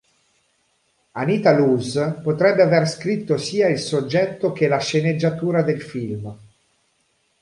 Anita Loos potrebbe aver scritto sia il soggetto che la sceneggiatura del film.